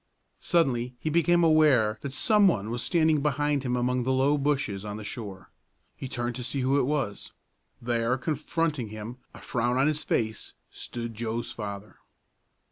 Suddenly he became aware that some one was standing behind him among the low bushes on the shore. He turned to see who it was. There, confronting him, a frown on his face, stood Joe's father.